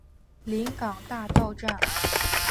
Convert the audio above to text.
临港大道站